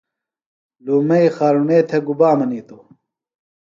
لومئی خارُݨے تھےۡ گُبا منِیتوۡ؟